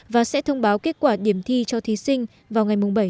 và sẽ thông báo kết quả điểm thi cho thí sinh vào ngày bảy tháng bảy tới